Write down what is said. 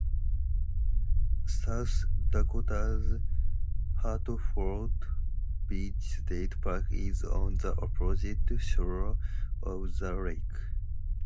South Dakota's Hartford Beach State Park is on the opposite shore of the lake.